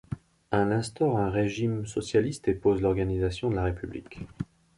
Elle instaure un régime socialiste et pose l'organisation de la république.